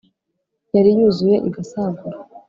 yari yuzuye igasagura